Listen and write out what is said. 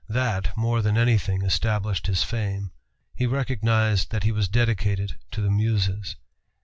That more than anything established his fame. He recognized that he was dedicated to the Muses.